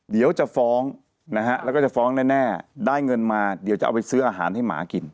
เดี๋ยวจะฟ้องนะฮะแล้วก็จะฟ้องแน่ได้เงินมาเดี๋ยวจะเอาไปซื้ออาหารให้หมากิน